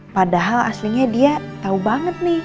padahal aslinya dia tau banget nih